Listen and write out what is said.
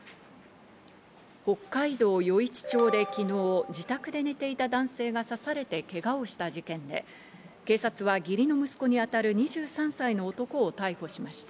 北海道余市町で昨日を自宅で寝ていた男性が刺されてけがをした事件で、警察は義理の息子に当たる２３歳の男を逮捕しました。